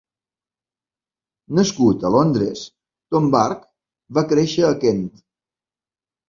Nascut a Londres, Tom Burke va créixer a Kent.